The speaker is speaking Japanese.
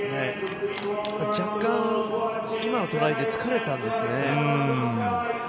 若干、今の課題で疲れたんですね。